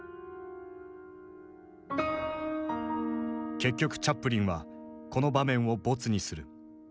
結局チャップリンはこの場面を没にする。